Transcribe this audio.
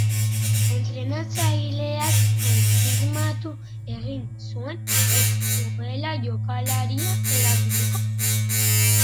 Entrenatzaileak konfirmatu egin zuen ez zuela jokalaria erabiliko.